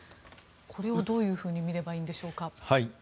これをどういうふうに見ればいいんでしょうか。